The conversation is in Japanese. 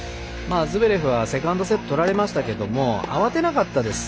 ズベレフはセカンドセットを取られましたけど慌てなかったです。